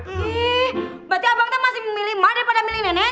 eh berarti abang teh masih memilih emak daripada memilih nenek